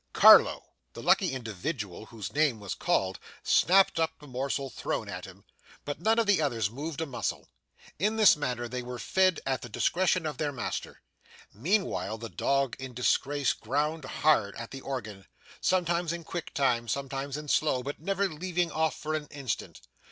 Carlo!' The lucky individual whose name was called, snapped up the morsel thrown towards him, but none of the others moved a muscle. In this manner they were fed at the discretion of their master. Meanwhile the dog in disgrace ground hard at the organ, sometimes in quick time, sometimes in slow, but never leaving off for an instant.